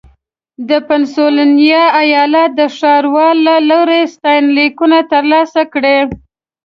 د پنسلوانیا ایالت د ښاروال له لوري ستاینلیک ترلاسه کړ.